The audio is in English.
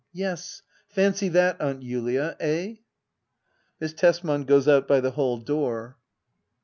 Yes, fancy that. Aunt Julia I £h }[ Miss Tesman goes out by the hall dcor.